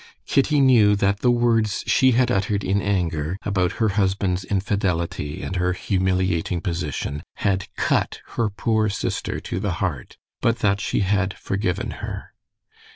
Kitty knew that the words she had uttered in anger about her husband's infidelity and her humiliating position had cut her poor sister to the heart, but that she had forgiven her.